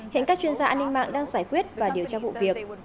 hiện các chuyên gia an ninh mạng đang giải quyết và điều tra vụ việc